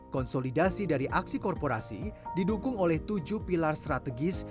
konsolidasi dari aksi korporasi didukung oleh tujuh pilar strategis